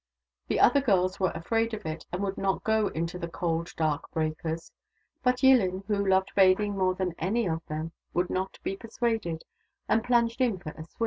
The other girls were afraid of it, and would not go into the cold, dark breakers : but Yillin, who loved bathing more than any of THE DAUGHTERS OF WONKAWALA i8i them, would not be persuaded, and plunged in for a swim.